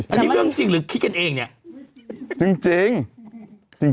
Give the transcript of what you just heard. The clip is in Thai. อันนี้เรื่องจริงหรือคิดกันเองเนี่ยจริงจริง